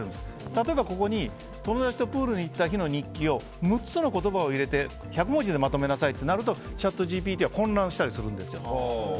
例えば、ここに友達とプールに行った日の日記を６つの言葉を入れて１００文字にまとめなさいっていうとチャットＧＰＴは混乱したりするんです。